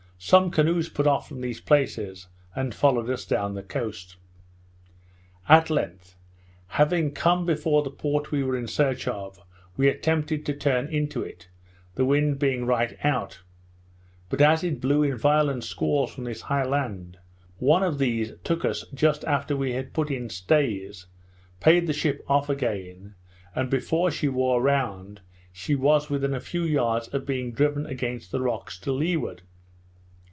Some canoes put off from these places, and followed us down the coast. At length, having come before the port we were in search of, we attempted to turn into it, the wind being right out; but as it blew in violent squalls from this high land, one of these took us just after we had put in stays, payed the ship off again, and before she wore round, she was within a few yards of being driven against the rocks to leeward.